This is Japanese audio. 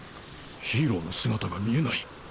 ヒーローの姿が見えない。